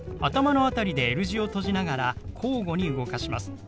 頭の辺りでＬ字を閉じながら交互に動かします。